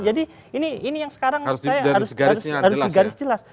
jadi ini yang sekarang harus digaris jelas